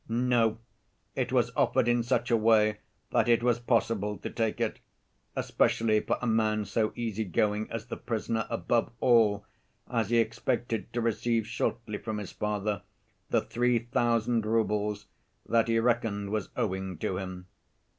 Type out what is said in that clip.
No, it was offered in such a way that it was possible to take it, especially for a man so easy‐going as the prisoner, above all, as he expected to receive shortly from his father the three thousand roubles that he reckoned was owing to him.